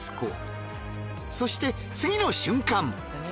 そして次の瞬間。